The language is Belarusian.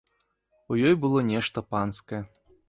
У ёй было нешта панскае.